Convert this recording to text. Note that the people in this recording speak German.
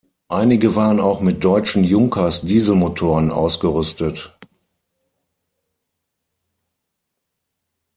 Einige waren auch mit deutschen Junkers-Dieselmotoren ausgerüstet.